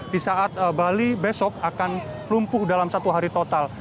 di saat bali besok akan lumpuh dalam satu hari total